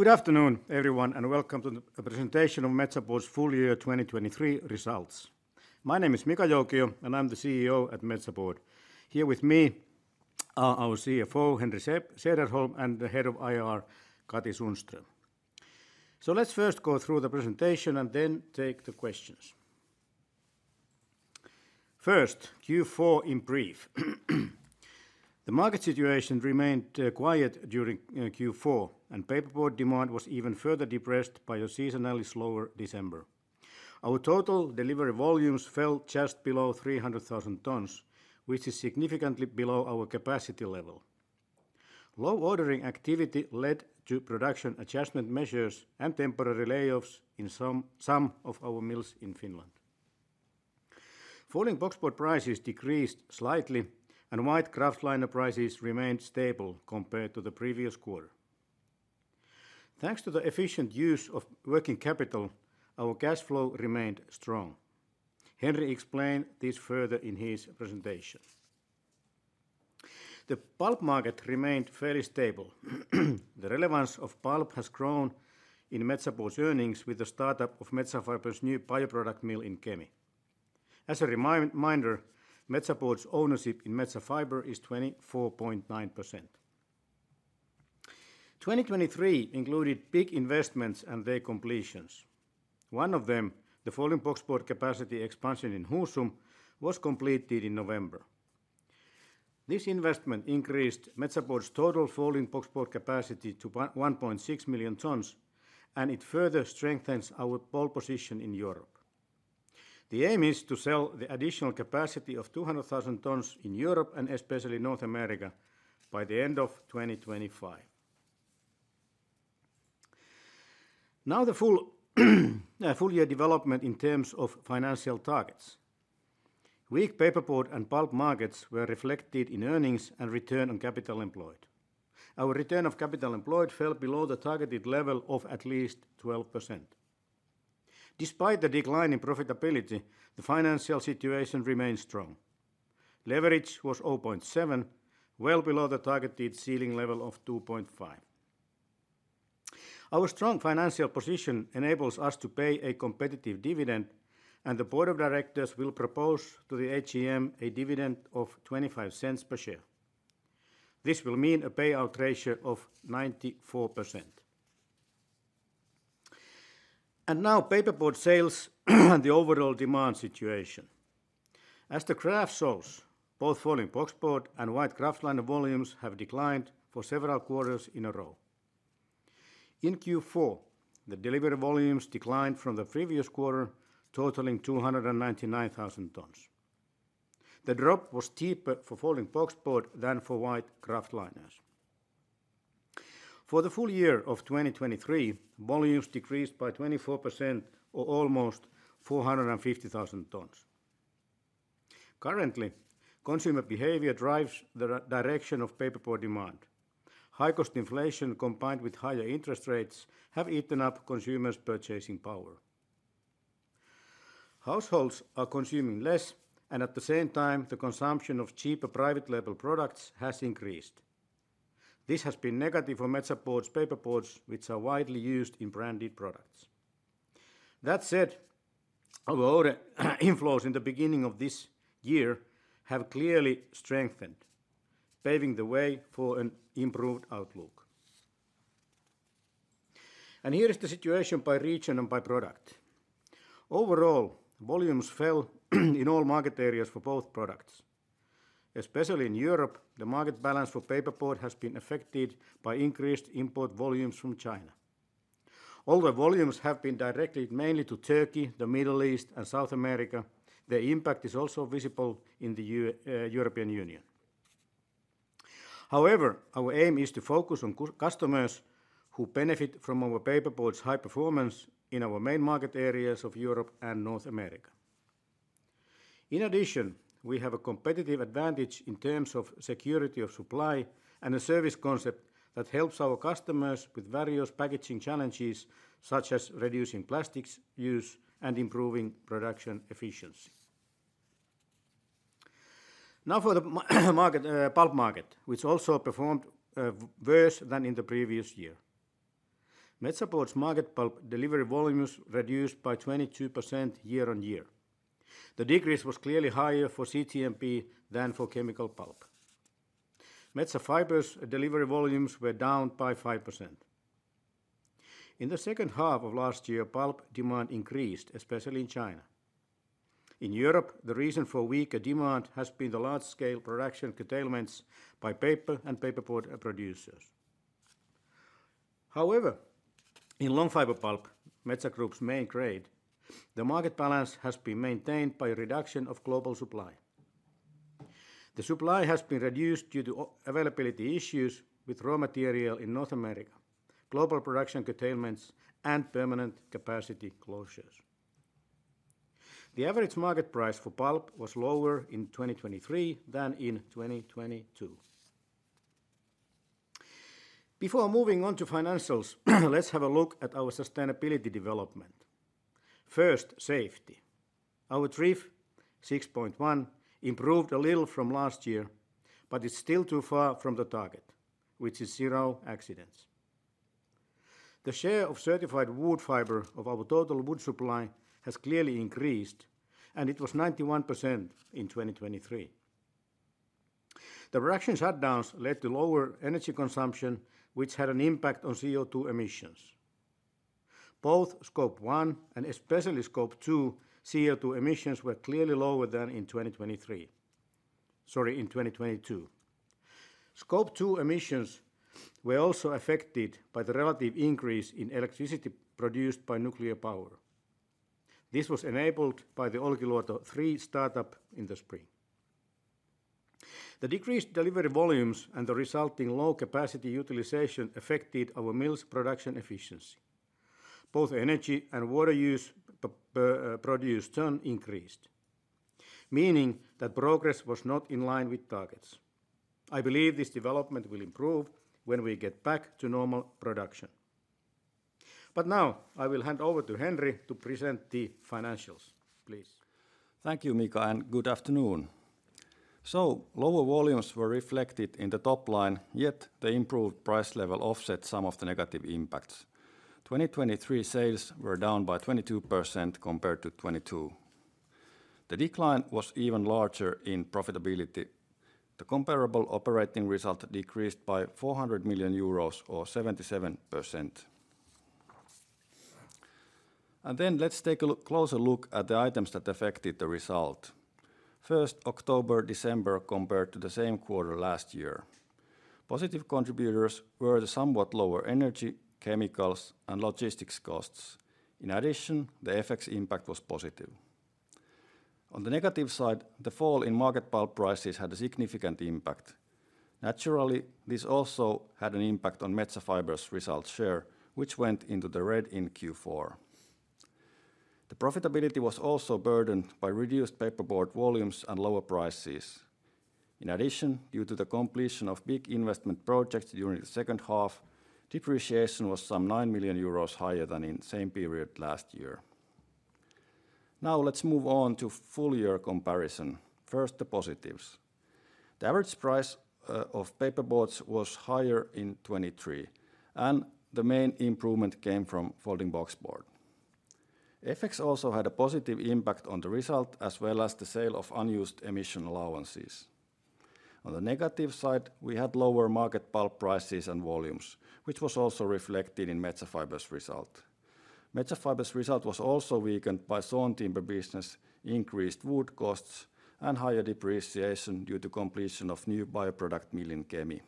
Good afternoon, everyone, and welcome to the presentation of Metsä Board's full year 2023 results. My name is Mika Joukio, and I'm the CEO at Metsä Board. Here with me are our CFO, Henri Sederholm, and the Head of IR, Katri Sundström. So let's first go through the presentation and then take the questions. First, Q4 in brief. The market situation remained quiet during Q4, and paperboard demand was even further depressed by a seasonally slower December. Our total delivery volumes fell just below 300,000 tonnes, which is significantly below our capacity level. Low ordering activity led to production adjustment measures and temporary layoffs in some of our mills in Finland. Folding boxboard prices decreased slightly, and white kraftliner prices remained stable compared to the previous quarter. Thanks to the efficient use of working capital, our cash flow remained strong. Henri explained this further in his presentation. The pulp market remained fairly stable. The relevance of pulp has grown in Metsä Board's earnings with the startup of Metsä Fibre's new bioproduct mill in Kemi. As a reminder, Metsä Board's ownership in Metsä Fibre is 24.9%. 2023 included big investments and their completions. One of them, the folding boxboard capacity expansion in Husum, was completed in November. This investment increased Metsä Board's total folding boxboard capacity to 1.1 million tonnes, and it further strengthens our pole position in Europe. The aim is to sell the additional capacity of 200,000 tonnes in Europe and especially North America, by the end of 2025. Now, the full year development in terms of financial targets. Weak paperboard and pulp markets were reflected in earnings and return on capital employed. Our return on capital employed fell below the targeted level of at least 12%. Despite the decline in profitability, the financial situation remains strong. Leverage was 0.7x, well below the targeted ceiling level of 2.5x. Our strong financial position enables us to pay a competitive dividend, and the Board of Directors will propose to the AGM a dividend of 0.25 per share. This will mean a payout ratio of 94%. Now paperboard sales and the overall demand situation. As the graph shows, both folding boxboard and white kraftliner volumes have declined for several quarters in a row. In Q4, the delivery volumes declined from the previous quarter, totaling 299,000 tonnes. The drop was steeper for folding boxboard than for white kraftliners. For the full year of 2023, volumes decreased by 24% or almost 450,000 tonnes. Currently, consumer behavior drives the direction of paperboard demand. High cost inflation, combined with higher interest rates, have eaten up consumers' purchasing power. Households are consuming less, and at the same time, the consumption of cheaper private label products has increased. This has been negative for Metsä Board's paperboards, which are widely used in branded products. That said, our order inflows in the beginning of this year have clearly strengthened, paving the way for an improved outlook. And here is the situation by region and by product. Overall, volumes fell in all market areas for both products. Especially in Europe, the market balance for paperboard has been affected by increased import volumes from China. Although volumes have been directed mainly to Turkey, the Middle East, and South America, the impact is also visible in the European Union. However, our aim is to focus on customers who benefit from our paperboard's high performance in our main market areas of Europe and North America. In addition, we have a competitive advantage in terms of security of supply and a service concept that helps our customers with various packaging challenges, such as reducing plastics use and improving production efficiency. Now for the market pulp market, which also performed worse than in the previous year. Metsä Board's market pulp delivery volumes reduced by 22% year-on-year. The decrease was clearly higher for CTMP than for chemical pulp. Metsä Fibre's delivery volumes were down by 5%. In the second half of last year, pulp demand increased, especially in China. In Europe, the reason for weaker demand has been the large-scale production curtailments by paper and paperboard producers. However, in long fiber pulp, Metsä Group's main grade, the market balance has been maintained by a reduction of global supply. The supply has been reduced due to availability issues with raw material in North America, global production curtailments, and permanent capacity closures. The average market price for pulp was lower in 2023 than in 2022. Before moving on to financials, let's have a look at our sustainability development. First, safety. Our TRIF, 6.1, improved a little from last year, but it's still too far from the target, which is zero accidents. The share of certified wood fiber of our total wood supply has clearly increased, and it was 91% in 2023. The reaction shutdowns led to lower energy consumption, which had an impact on CO2 emissions. Both Scope 1, and especially Scope 2, CO2 emissions were clearly lower than in 2023. Sorry, in 2022. Scope 2 emissions were also affected by the relative increase in electricity produced by nuclear power. This was enabled by the Olkiluoto 3 startup in the spring. The decreased delivery volumes and the resulting low capacity utilization affected our mill's production efficiency. Both energy and water use per produced ton increased, meaning that progress was not in line with targets. I believe this development will improve when we get back to normal production. But now, I will hand over to Henri to present the financials, please. Thank you, Mika, and good afternoon. So lower volumes were reflected in the top line, yet the improved price level offset some of the negative impacts. 2023 sales were down by 22% compared to 2022. The decline was even larger in profitability. The comparable operating result decreased by 400 million euros, or 77%. Then let's take a closer look at the items that affected the result. First, October, December, compared to the same quarter last year. Positive contributors were the somewhat lower energy, chemicals, and logistics costs. In addition, the FX impact was positive. On the negative side, the fall in market pulp prices had a significant impact. Naturally, this also had an impact on Metsä Fibre's result share, which went into the red in Q4. The profitability was also burdened by reduced paperboard volumes and lower prices. In addition, due to the completion of big investment projects during the second half, depreciation was 9 million euros higher than in same period last year. Now, let's move on to full year comparison. First, the positives. The average price of paperboards was higher in 2023, and the main improvement came from folding boxboard. FX also had a positive impact on the result, as well as the sale of unused emission allowances. On the negative side, we had lower market pulp prices and volumes, which was also reflected in Metsä Fibre's result. Metsä Fibre's result was also weakened by sawn timber business, increased wood costs, and higher depreciation due to completion of new bioproduct mill in Kemi.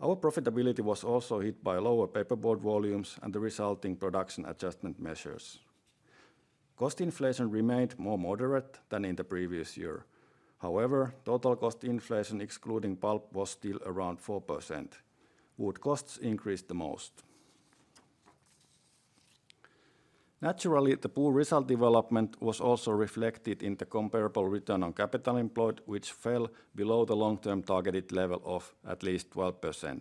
Our profitability was also hit by lower paperboard volumes and the resulting production adjustment measures. Cost inflation remained more moderate than in the previous year. However, total cost inflation, excluding pulp, was still around 4%. Wood costs increased the most. Naturally, the poor result development was also reflected in the comparable return on capital employed, which fell below the long-term targeted level of at least 12%.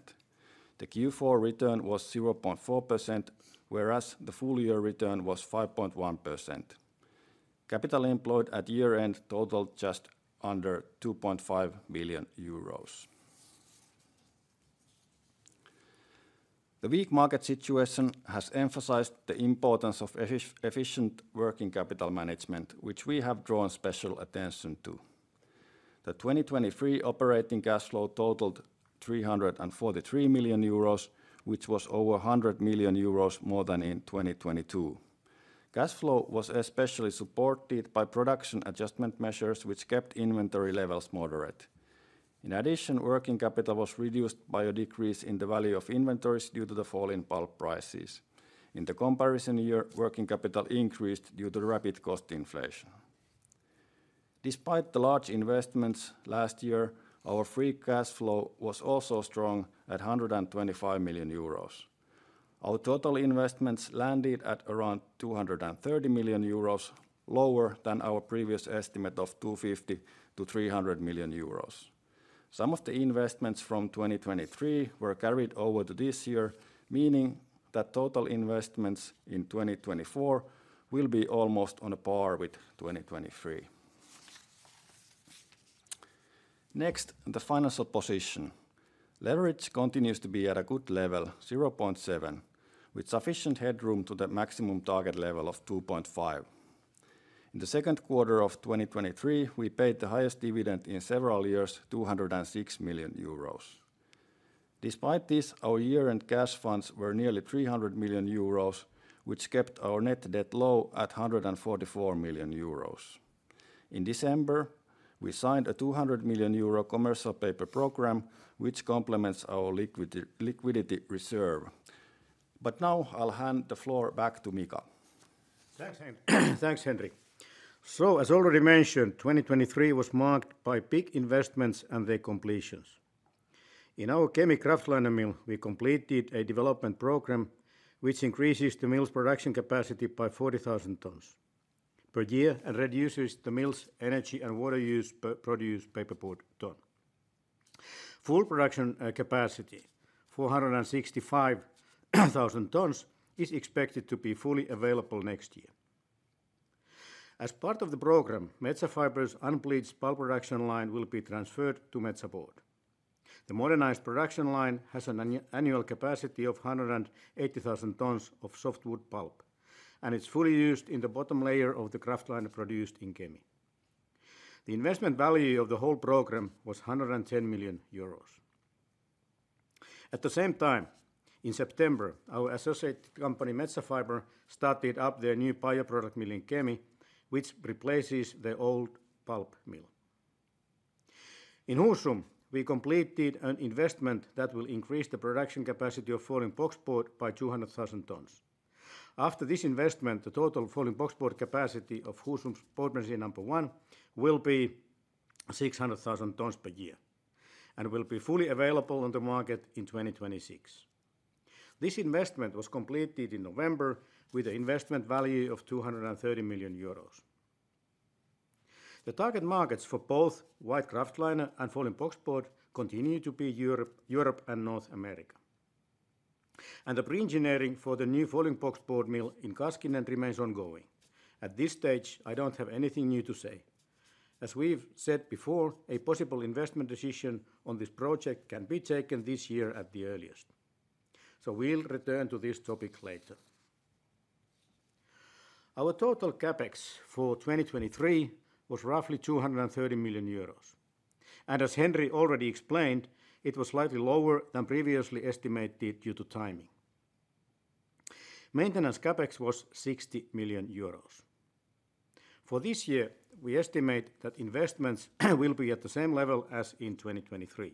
The Q4 return was 0.4%, whereas the full year return was 5.1%. Capital employed at year-end totaled just under EUR 2.5 billion. The weak market situation has emphasized the importance of efficient working capital management, which we have drawn special attention to. The 2023 operating cash flow totaled 343 million euros, which was over 100 million euros more than in 2022. Cash flow was especially supported by production adjustment measures, which kept inventory levels moderate. In addition, working capital was reduced by a decrease in the value of inventories due to the fall in pulp prices. In the comparison year, working capital increased due to rapid cost inflation. Despite the large investments last year, our free cash flow was also strong at 125 million euros. Our total investments landed at around 230 million euros, lower than our previous estimate of 250 million-300 million euros. Some of the investments from 2023 were carried over to this year, meaning that total investments in 2024 will be almost on a par with 2023. Next, the financial position. Leverage continues to be at a good level, 0.7x, with sufficient headroom to the maximum target level of 2.5x. In the second quarter of 2023, we paid the highest dividend in several years, 206 million euros. Despite this, our year-end cash funds were nearly 300 million euros, which kept our net debt low at 144 million euros. In December, we signed a 200 million euro commercial paper program, which complements our liquidity reserve. But now, I'll hand the floor back to Mika. Thanks, Henri. So as already mentioned, 2023 was marked by big investments and their completions. In our Kemi kraftliner mill, we completed a development program which increases the mill's production capacity by 40,000 tonnes per year and reduces the mill's energy and water use per produced paperboard ton. Full production capacity, 465,000 tonnes, is expected to be fully available next year. As part of the program, Metsä Fibre's unbleached pulp production line will be transferred to Metsä Board. The modernized production line has an annual capacity of 180,000 tonnes of softwood pulp, and it's fully used in the bottom layer of the kraftliner produced in Kemi. The investment value of the whole program was 110 million euros. At the same time, in September, our associate company, Metsä Fibre, started up their new bioproduct mill in Kemi, which replaces the old pulp mill. In Husum, we completed an investment that will increase the production capacity of folding boxboard by 200,000 tonnes. After this investment, the total folding boxboard capacity of Husum's board machine number one will be 600,000 tonnes per year, and will be fully available on the market in 2026. This investment was completed in November with an investment value of 230 million euros. The target markets for both white kraftliner and folding boxboard continue to be Europe, Europe, and North America. And the pre-engineering for the new folding boxboard mill in Kaskinen remains ongoing. At this stage, I don't have anything new to say. As we've said before, a possible investment decision on this project can be taken this year at the earliest, so we'll return to this topic later. Our total CapEx for 2023 was roughly 230 million euros, and as Henri already explained, it was slightly lower than previously estimated due to timing. Maintenance CapEx was 60 million euros. For this year, we estimate that investments will be at the same level as in 2023.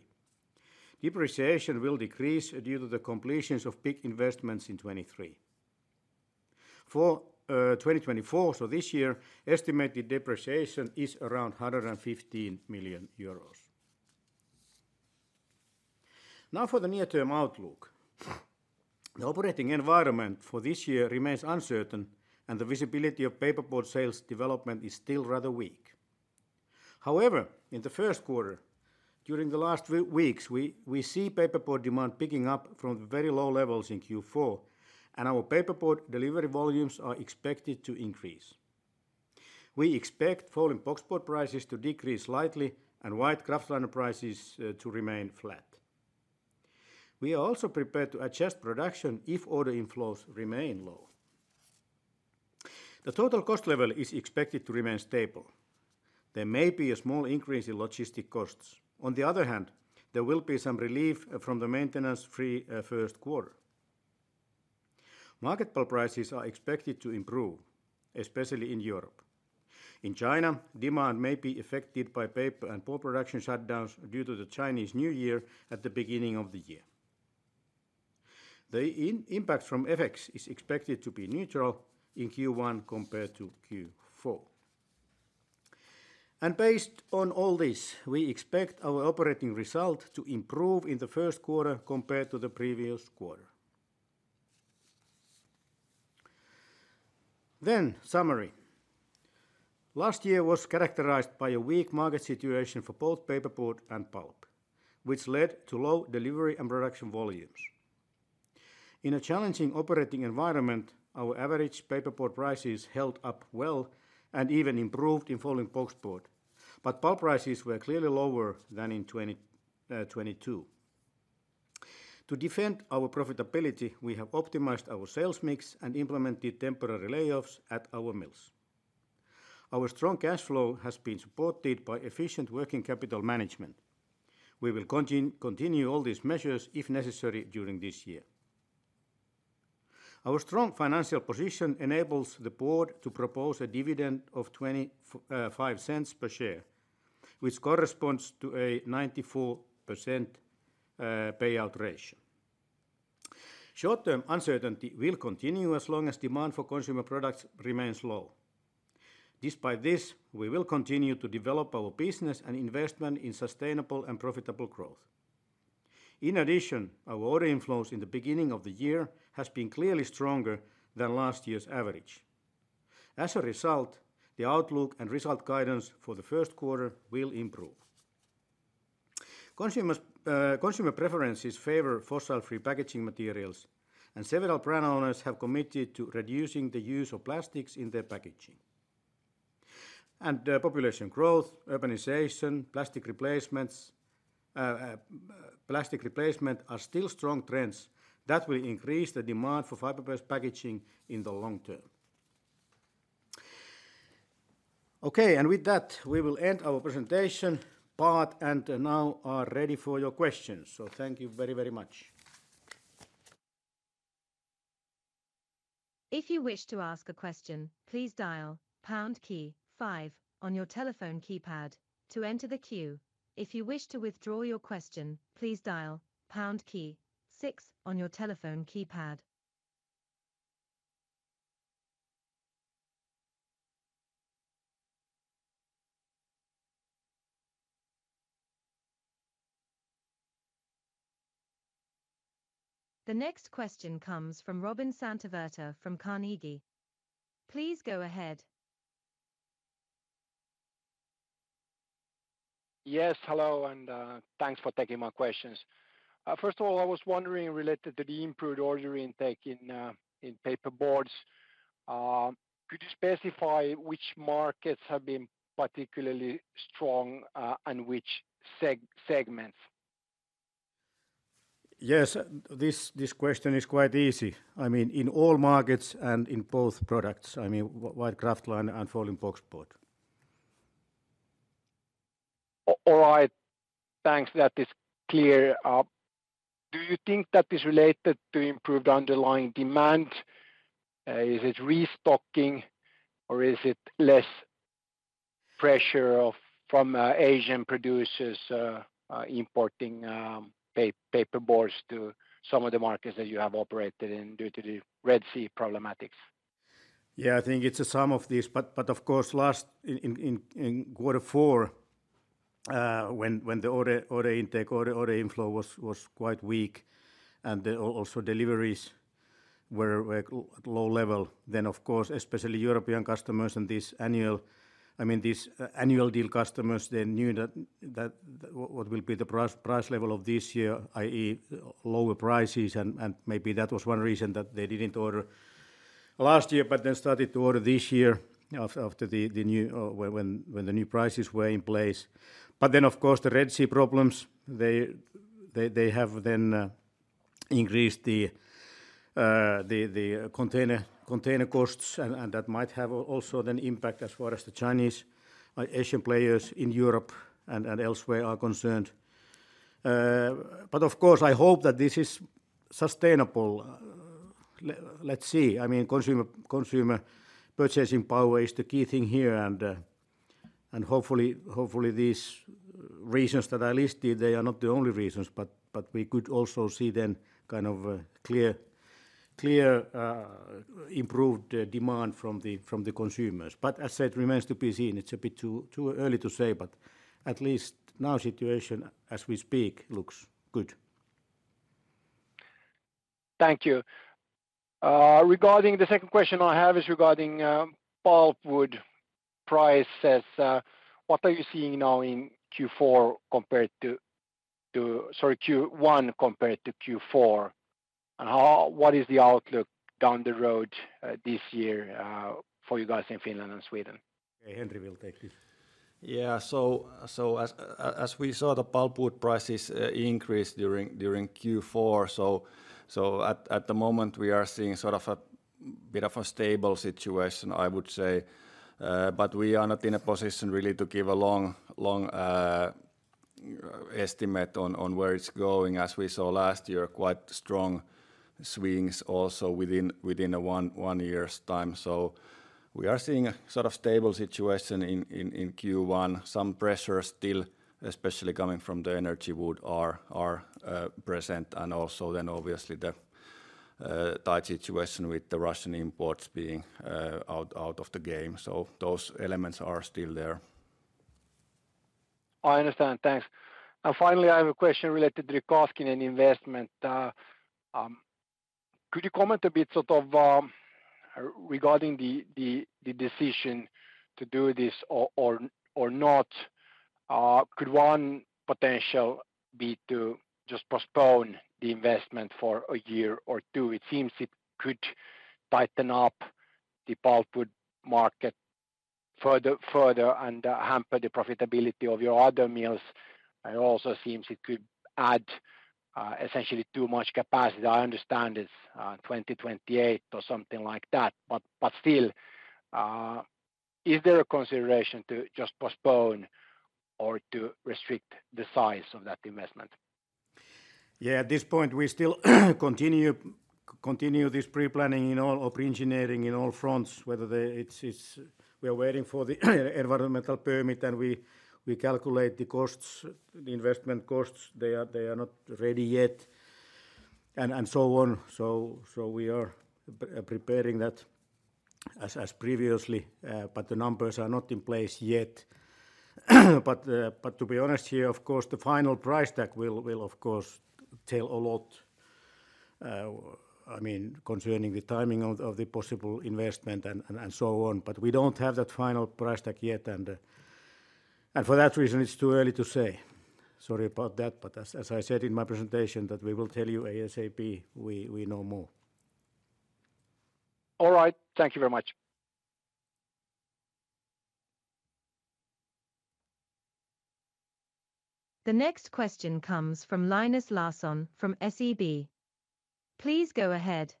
Depreciation will decrease due to the completions of big investments in 2023. For 2024, so this year, estimated depreciation is around 115 million euros. Now, for the near-term outlook. The operating environment for this year remains uncertain, and the visibility of paperboard sales development is still rather weak. However, in the first quarter, during the last weeks, we see paperboard demand picking up from very low levels in Q4, and our paperboard delivery volumes are expected to increase. We expect folding boxboard prices to decrease slightly and white kraftliner prices to remain flat. We are also prepared to adjust production if order inflows remain low. The total cost level is expected to remain stable. There may be a small increase in logistic costs. On the other hand, there will be some relief from the maintenance-free first quarter. Market pulp prices are expected to improve, especially in Europe. In China, demand may be affected by paper and pulp production shutdowns due to the Chinese New Year at the beginning of the year. The impact from FX is expected to be neutral in Q1 compared to Q4. Based on all this, we expect our operating result to improve in the first quarter compared to the previous quarter. Summary. Last year was characterized by a weak market situation for both paperboard and pulp, which led to low delivery and production volumes. In a challenging operating environment, our average paperboard prices held up well and even improved in folding boxboard, but pulp prices were clearly lower than in 2022. To defend our profitability, we have optimized our sales mix and implemented temporary layoffs at our mills. Our strong cash flow has been supported by efficient working capital management. We will continue all these measures if necessary during this year. Our strong financial position enables the board to propose a dividend of 0.25 per share, which corresponds to a 94% payout ratio. Short-term uncertainty will continue as long as demand for consumer products remains low. Despite this, we will continue to develop our business and investment in sustainable and profitable growth. In addition, our order inflows in the beginning of the year has been clearly stronger than last year's average. As a result, the outlook and result guidance for the first quarter will improve. Consumers, consumer preferences favor fossil-free packaging materials, and several brand owners have committed to reducing the use of plastics in their packaging. And, population growth, urbanization, plastic replacements, plastic replacement are still strong trends that will increase the demand for fiber-based packaging in the long term. Okay, and with that, we will end our presentation part and now are ready for your questions. So thank you very, very much. If you wish to ask a question, please dial pound key five on your telephone keypad to enter the queue. If you wish to withdraw your question, please dial pound key six on your telephone keypad. The next question comes from Robin Santavirta from Carnegie. Please go ahead. Yes, hello, and thanks for taking my questions. First of all, I was wondering, related to the improved order intake in paperboards, could you specify which markets have been particularly strong, and which segments? Yes, this question is quite easy. I mean, in all markets and in both products, I mean, white kraftliner and folding boxboard. All right. Thanks. That is clear. Do you think that is related to improved underlying demand? Is it restocking or is it less pressure from Asian producers importing paperboards to some of the markets that you have operated in due to the Red Sea problematics? Yeah, I think it's some of these, but of course, last quarter four, when the order intake, order inflow was quite weak, and also deliveries were at low level, then of course, especially European customers and these annual, I mean, these annual deal customers, they knew that what will be the price level of this year, i.e., lower prices, and maybe that was one reason that they didn't order last year but then started to order this year after the new, when the new prices were in place. But then, of course, the Red Sea problems have then increased the container costs, and that might have also an impact as far as the Chinese, Asian players in Europe and elsewhere are concerned. But of course, I hope that this is sustainable. Let's see. I mean, consumer purchasing power is the key thing here, and hopefully, these reasons that I listed, they are not the only reasons, but we could also see then kind of a clear improved demand from the consumers. But as I said, it remains to be seen. It's a bit too early to say, but at least now situation, as we speak, looks good. Thank you. Regarding the second question I have is regarding pulpwood price. What are you seeing now in Q4 compared to, sorry, Q1 compared to Q4? And what is the outlook down the road, this year, for you guys in Finland and Sweden? Hey, Henri will take this. Yeah. So as we saw, the pulpwood prices increased during Q4. So at the moment, we are seeing sort of a bit of a stable situation, I would say. But we are not in a position really to give a long estimate on where it's going. As we saw last year, quite strong swings also within a one year's time. So we are seeing a sort of stable situation in Q1. Some pressure still, especially coming from the energy wood are present, and also then obviously, the tight situation with the Russian imports being out of the game. So those elements are still there. I understand. Thanks. Finally, I have a question related to Kaskinen investment. Could you comment a bit sort of regarding the decision to do this or not? Could one potential be to just postpone the investment for a year or two? It seems it could tighten up the pulpwood market further and hamper the profitability of your other mills. It also seems it could add essentially too much capacity. I understand it's 2028 or something like that, but still, is there a consideration to just postpone or to restrict the size of that investment? Yeah, at this point, we still continue this pre-planning in all, or pre-engineering in all fronts, whether it's, it's. We are waiting for the environmental permit, and we calculate the costs, the investment costs. They are not ready yet, and so on. So we are preparing that as previously, but the numbers are not in place yet. But to be honest here, of course, the final price tag will, of course, tell a lot, I mean, concerning the timing of the possible investment and so on. But we don't have that final price tag yet, and for that reason, it's too early to say. Sorry about that, but as I said in my presentation, that we will tell you ASAP, we know more. All right. Thank you very much. The next question comes from Linus Larsson from SEB. Please go ahead.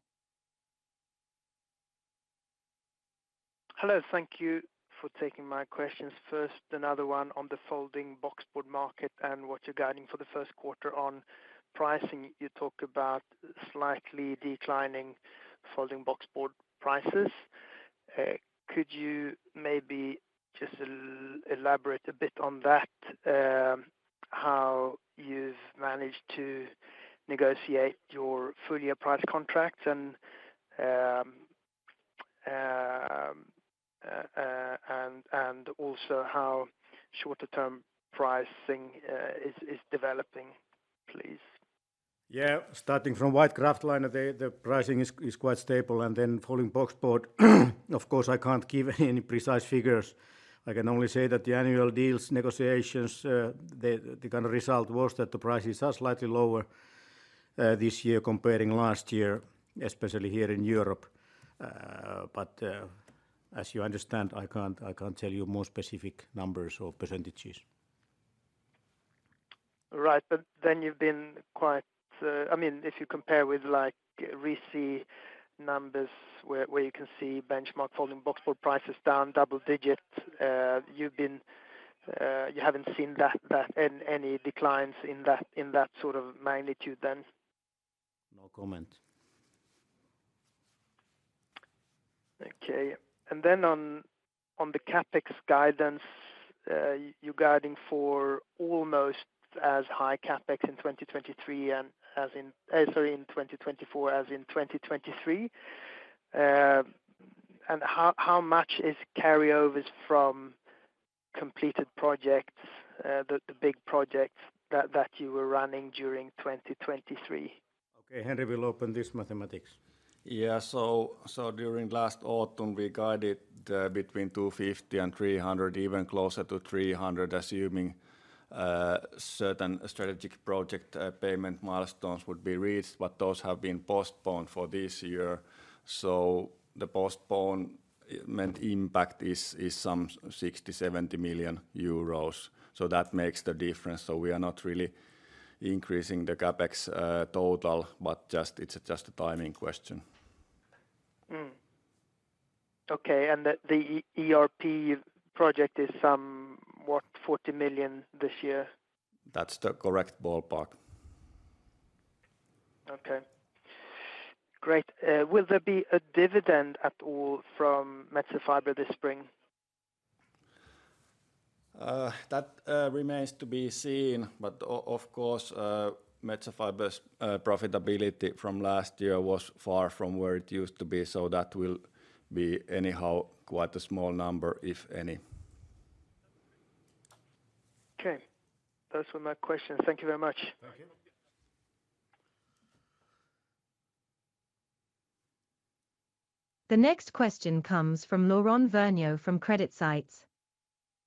Hello. Thank you for taking my questions. First, another one on the folding boxboard market and what you're guiding for the first quarter. On pricing, you talked about slightly declining folding boxboard prices. Could you maybe just elaborate a bit on that? How you've managed to negotiate your full year price contracts and, and also how shorter-term pricing is developing, please? Yeah, starting from white kraftliner, the pricing is quite stable, and then folding boxboard. Of course, I can't give any precise figures. I can only say that the annual deals negotiations, the kind of result was that the prices are slightly lower, this year comparing last year, especially here in Europe. But, as you understand, I can't tell you more specific numbers or percentages. Right. But then you've been quite, I mean, if you compare with, like, RISI numbers, where you can see benchmark folding boxboard prices down double digits, you haven't seen that any declines in that sort of magnitude then? No comment. Okay. And then on the CapEx guidance, you're guiding for almost as high CapEx in 2023 and as in, sorry, in 2024 as in 2023. And how much is carryovers from completed projects, the big projects that you were running during 2023? Okay, Henri will open this meeting. Yeah. So, so during last autumn, we guided between 250 and 300, even closer to 300, assuming certain strategic project payment milestones would be reached, but those have been postponed for this year. So the postponement impact is some 60 million-70 million euros. So that makes the difference. So we are not really increasing the CapEx total, but just, it's just a timing question. Okay, and the ERP project is some, what? 40 million this year. That's the correct ballpark. Okay. Great. Will there be a dividend at all from Metsä Fibre this spring? That remains to be seen, but of course, Metsä Fibre's profitability from last year was far from where it used to be, so that will be anyhow quite a small number, if any. Okay. Those were my questions. Thank you very much. Thank you. The next question comes from Laurent Vergnault from CreditSights.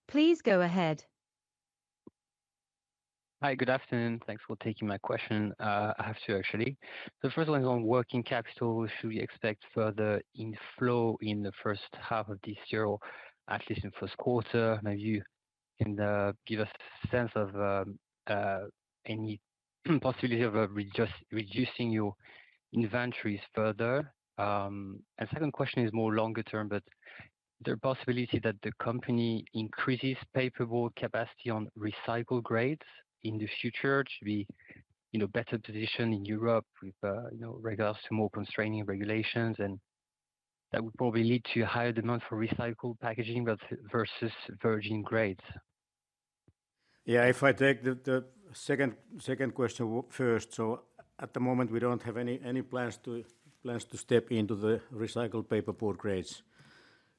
Please go ahead. Hi, good afternoon. Thanks for taking my question. I have two, actually. The first one is on working capital. Should we expect further inflow in the first half of this year, or at least in first quarter? Maybe you can give a sense of any possibility of just reducing your inventories further. And second question is more longer term, but the possibility that the company increases paperboard capacity on recycled grades in the future to be in a better position in Europe with, you know, regards to more constraining regulations, and that would probably lead to higher demand for recycled packaging but versus virgin grades. Yeah, if I take the second question first. So at the moment, we don't have any plans to step into the recycled paperboard grades.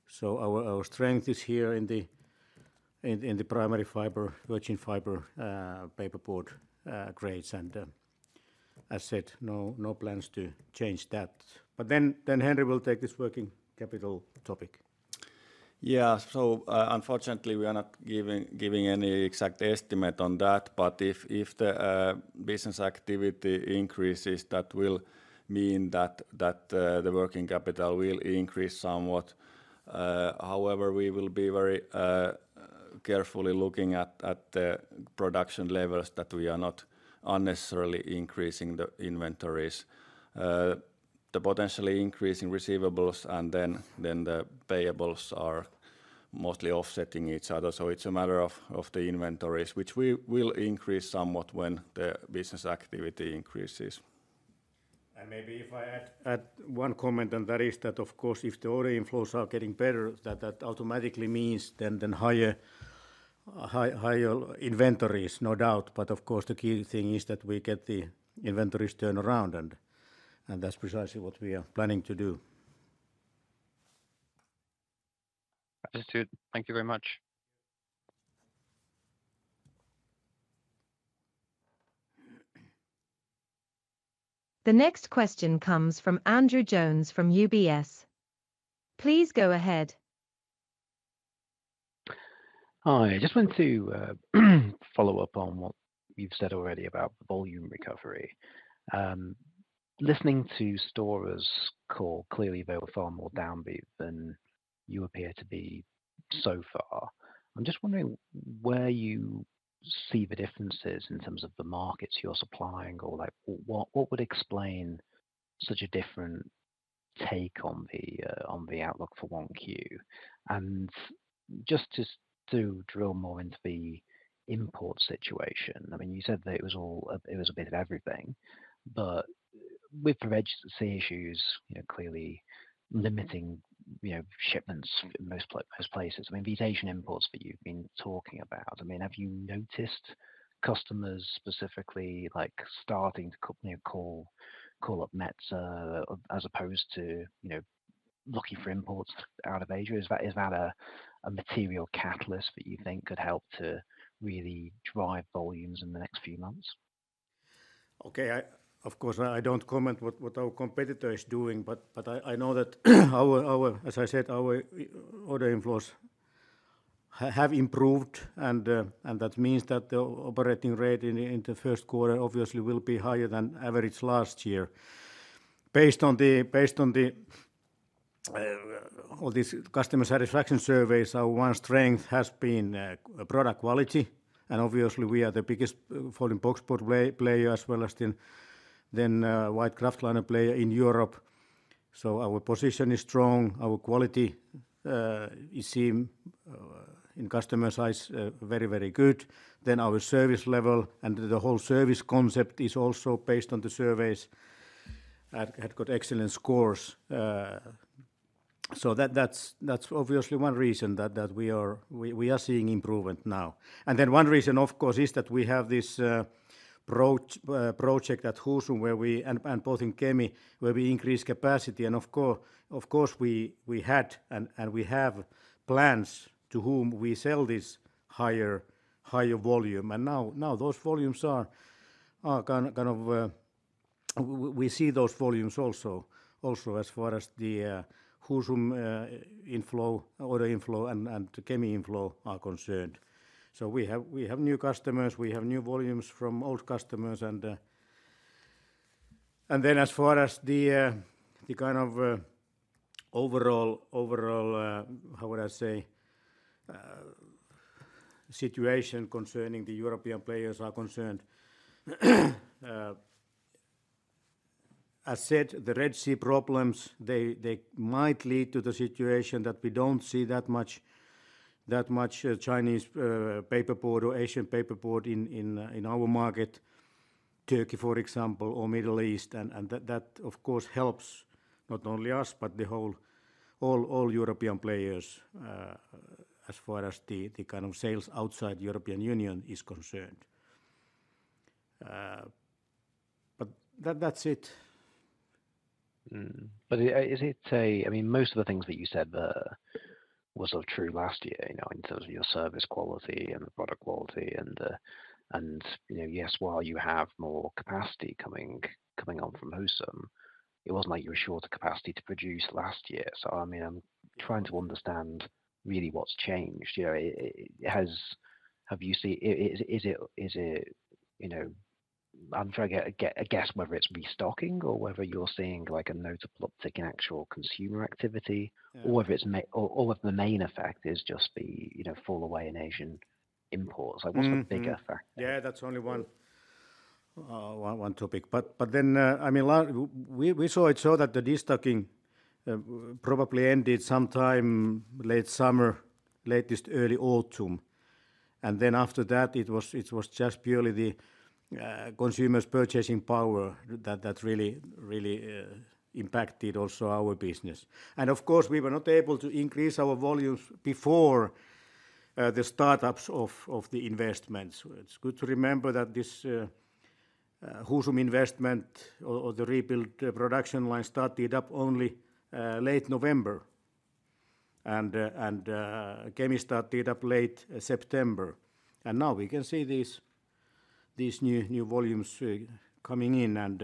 So our strength is here in the primary fiber, virgin fiber paperboard grades, and as said, no plans to change that. But then Henri will take this working capital topic. Yeah. So, unfortunately, we are not giving any exact estimate on that but if the business activity increases, that will mean that the working capital will increase somewhat. However, we will be very carefully looking at the production levels that we are not unnecessarily increasing the inventories. The potentially increasing receivables and then the payables are mostly offsetting each other. So it's a matter of the inventories, which we will increase somewhat when the business activity increases. And maybe if I add one comment, and that is that, of course, if the order inflows are getting better, that automatically means then higher inventories, no doubt. But of course, the key thing is that we get the inventories turnaround, and that's precisely what we are planning to do. Understood. Thank you very much. The next question comes from Andrew Jones from UBS. Please go ahead. Hi. I just want to follow up on what you've said already about volume recovery. Listening to Stora's call, clearly they were far more downbeat than you appear to be so far. I'm just wondering where you see the differences in terms of the markets you're supplying or, like, what would explain such a different take on the outlook for 1Q? And just to drill more into the import situation, I mean, you said that it was all, it was a bit of everything, but with the registry issues, you know, clearly limiting, you know, shipments in most places, I mean, these Asian imports that you've been talking about, I mean, have you noticed customers specifically, like, starting to call, you know, call up Metsä as opposed to, you know. Looking for imports out of Asia, is that a material catalyst that you think could help to really drive volumes in the next few months? Okay. Of course, I don't comment what our competitor is doing, but I know that our order inflows have improved, and that means that the operating rate in the first quarter obviously will be higher than average last year. Based on all these customer satisfaction surveys, our one strength has been product quality, and obviously we are the biggest folding boxboard player, as well as then white kraftliner player in Europe. So our position is strong, our quality it seems in customer's eyes very, very good. Then our service level and the whole service concept is also based on the surveys that have got excellent scores. So that's obviously one reason that we are seeing improvement now. And then one reason, of course, is that we have this project at Husum where we and both in Kemi, where we increase capacity. And of course we had and we have plans to whom we sell this higher volume. And now those volumes are kind of we see those volumes also as far as the Husum order inflow and the Kemi inflow are concerned. So we have new customers, we have new volumes from old customers, and. And then as far as the kind of overall, overall, how would I say, situation concerning the European players are concerned, as said, the Red Sea problems, they, they might lead to the situation that we don't see that much, that much, Chinese paperboard or Asian paperboard in, in, in our market, Turkey, for example, or Middle East. And, and that, that, of course, helps not only us, but the whole, all, all European players, as far as the kind of sales outside the European Union is concerned. But that's it. But is it a, I mean, most of the things that you said there were sort of true last year, you know, in terms of your service quality and the product quality and, and, you know, yes, while you have more capacity coming on from Husum, it wasn't like you were shorter capacity to produce last year. So I mean, I'm trying to understand really what's changed. You know, it, has, have you seen, is it, is it, you know, I'm trying to get a guess whether it's restocking or whether you're seeing, like, a notable uptick in actual consumer activity? Yeah. Or if the main effect is just the, you know, fall away in Asian imports. Mm-hmm. Like, what's the bigger factor? Yeah, that's only one topic. But then, I mean, we saw it so that the destocking probably ended sometime late summer, latest early autumn. Then after that, it was just purely the consumers' purchasing power that really impacted also our business. Of course, we were not able to increase our volumes before the startups of the investments. It's good to remember that this Husum investment or the rebuilt production line started up only late November, and Kemi started up late September. Now we can see these new volumes coming in.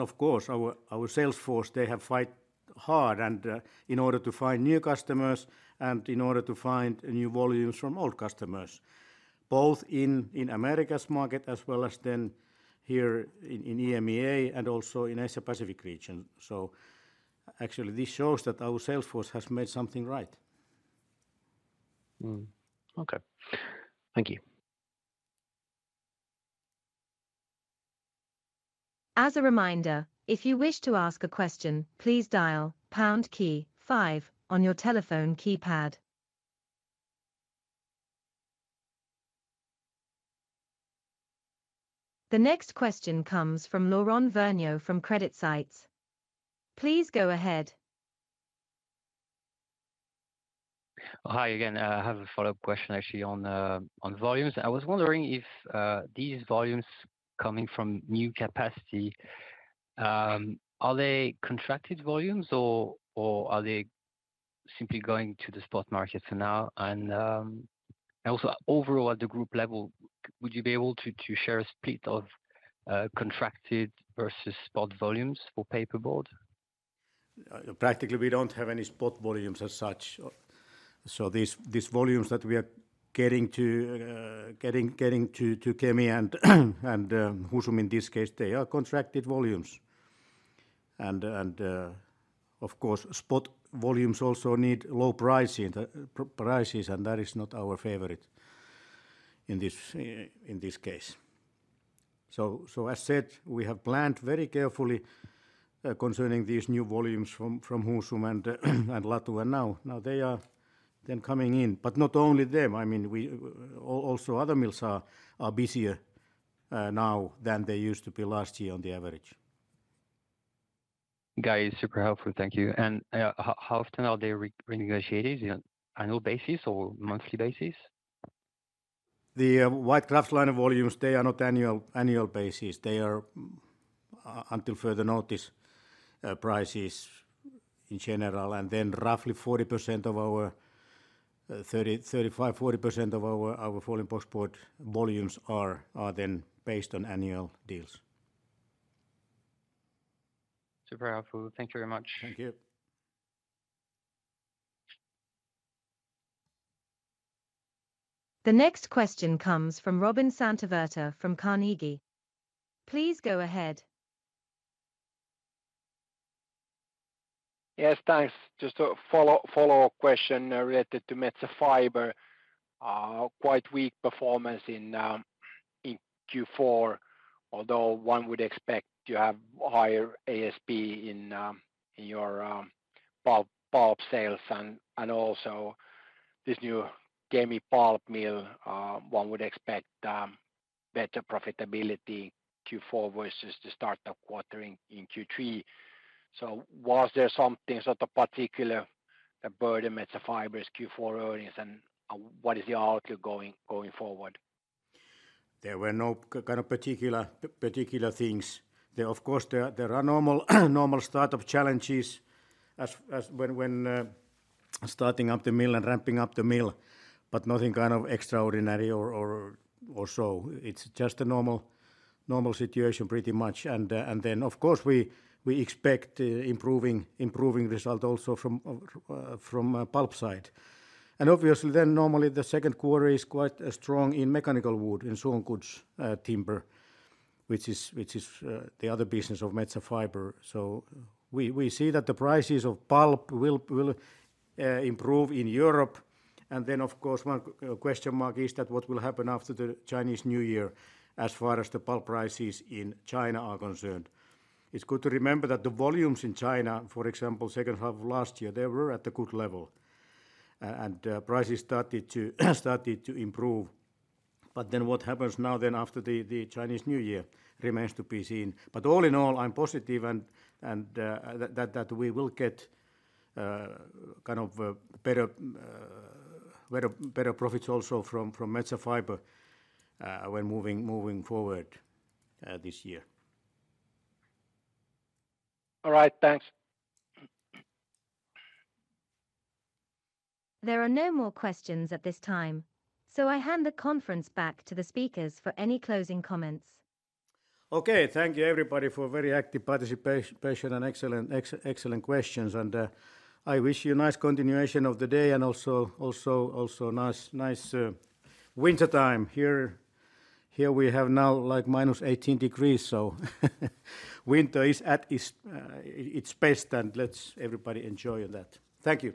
Of course, our sales force, they have fight hard and in order to find new customers and in order to find new volumes from old customers, both in Americas market as well as then here in EMEA and also in Asia-Pacific region. So actually, this shows that our sales force has made something right. Okay. Thank you. As a reminder, if you wish to ask a question, please dial pound key five on your telephone keypad. The next question comes from Laurent Vergnault from CreditSights. Please go ahead. Hi again. I have a follow-up question actually on the, on volumes. I was wondering if, these volumes coming from new capacity, are they contracted volumes or, or are they simply going to the spot market for now? And, and also overall at the group level, would you be able to, to share a split of, contracted versus spot volumes for paperboard? Practically, we don't have any spot volumes as such. So these volumes that we are getting to Kemi and Husum, in this case, they are contracted volumes. And of course, spot volumes also need low prices, and that is not our favorite in this case. So as said, we have planned very carefully concerning these new volumes from Husum and Latuwa now. Now they are then coming in, but not only them, I mean, also other mills are busier now than they used to be last year on the average. Guys, super helpful. Thank you. And, how often are they renegotiated? In an annual basis or monthly basis? The white kraftliner volumes, they are not annual basis. They are until further notice prices in general, and then roughly 30%-40% of our foreign export volumes are then based on annual deals. Super helpful. Thank you very much. Thank you. The next question comes from Robin Santavirta from Carnegie. Please go ahead. Yes, thanks. Just a follow-up question related to Metsä Fibre. Quite weak performance in Q4, although one would expect to have higher ASP in your pulp sales and also this new Kemi pulp mill, one would expect better profitability Q4 versus the start of the quarter in Q3. So was there something sort of particular burden Metsä Fibre's Q4 earnings, and what is the outlook going forward? There were no kind of particular things. There, of course, there are normal start-up challenges as when starting up the mill and ramping up the mill, but nothing kind of extraordinary or so. It's just a normal situation, pretty much. And then, of course, we expect improving result also from pulp side. And obviously, then normally the second quarter is quite strong in mechanical wood, in sawn goods, timber, which is the other business of Metsä Fibre. So we see that the prices of pulp will improve in Europe. And then, of course, one question mark is that what will happen after the Chinese New Year, as far as the pulp prices in China are concerned? It's good to remember that the volumes in China, for example, second half of last year, they were at a good level, and prices started to improve. But then what happens now then after the Chinese New Year remains to be seen. But all in all, I'm positive and that we will get kind of better profits also from Metsä Fibre when moving forward this year. All right. Thanks. There are no more questions at this time, so I hand the conference back to the speakers for any closing comments. Okay. Thank you, everybody, for a very active participation and excellent questions. And I wish you a nice continuation of the day and also nice wintertime. Here we have now, like, minus 18 degrees, so winter is at its best, and let's everybody enjoy that. Thank you!